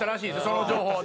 その情報を。